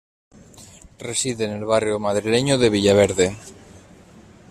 Reside en el barrio madrileño de Villaverde.